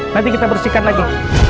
nanti kita bersihkan lagi